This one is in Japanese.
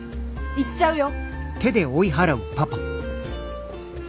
行っちゃうよ！？